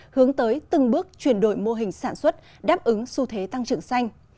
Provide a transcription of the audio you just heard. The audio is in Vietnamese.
hướng tới từng bước chuyển đổi mô hình sản xuất đáp ứng xu thế tăng trưởng xanh